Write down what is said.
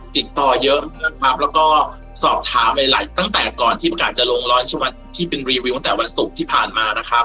ติดต่อเยอะนะครับแล้วก็สอบถามหลายตั้งแต่ก่อนที่ประกาศจะลงร้อยชีวิตที่เป็นรีวิวตั้งแต่วันศุกร์ที่ผ่านมานะครับ